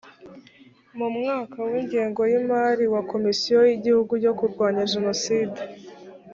mu mwaka w ingengo y imari wa komisiyo y igihugu yo kurwanya jenoside